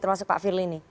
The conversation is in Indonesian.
termasuk pak firly ini